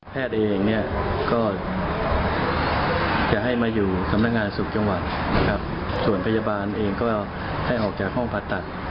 เองเนี่ยก็จะให้มาอยู่สำนักงานสุขจังหวัดนะครับส่วนพยาบาลเองก็ให้ออกจากห้องผ่าตัด